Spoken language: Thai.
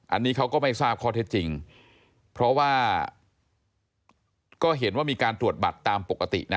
อันนี้เขาก็ไม่ทราบข้อเท็จจริงเพราะว่าก็เห็นว่ามีการตรวจบัตรตามปกตินะ